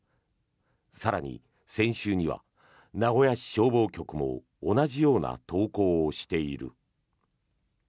更に、先週には名古屋市消防局も同じような投稿をしている。